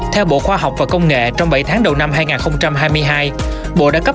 theo bộ khoa học và công nghệ trong bảy tháng đầu năm hai nghìn hai mươi hai